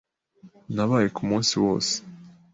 Nabaye ku munsi wose.